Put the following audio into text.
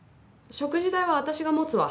食事代は私が持つわ。